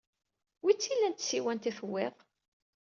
Wi tt-ilan tsiwant ay tewwid?